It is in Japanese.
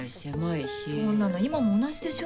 そんなの今も同じでしょ。